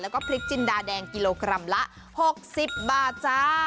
แล้วก็พริกจินดาแดงกิโลกรัมละ๖๐บาทจ้า